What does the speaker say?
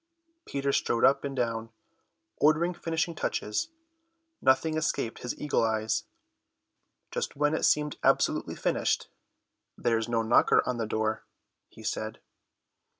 Peter strode up and down, ordering finishing touches. Nothing escaped his eagle eyes. Just when it seemed absolutely finished: "There's no knocker on the door," he said.